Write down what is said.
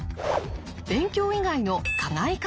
勉強以外の課外活動。